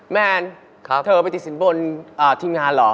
แมนเธอไปติดสินบนทีมงานเหรอ